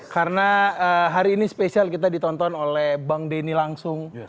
karena hari ini spesial kita ditonton oleh bang denny langsung